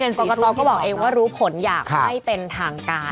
กรกตก็บอกเองว่ารู้ผลอย่างไม่เป็นทางการ